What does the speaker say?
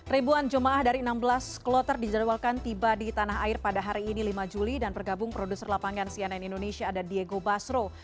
ribuan jemaah dari enam belas kloter dijadwalkan tiba di tanah air pada hari ini lima juli dan bergabung produser lapangan cnn indonesia ada diego basro